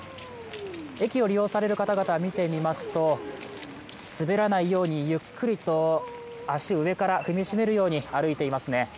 駅を利用される方々見てみますと滑らないようにゆっくりと、足、上から踏みしめるように歩いていますね。